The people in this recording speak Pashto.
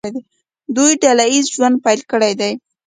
دوی ډله ییز ژوند پیل کړی دی.